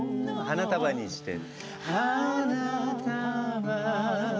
「花束にして」